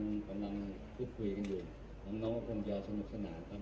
กำลังพูดคุยกันอยู่น้องก็คงจะสนุกสนานครับ